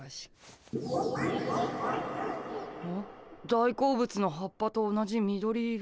大好物の葉っぱと同じ緑色。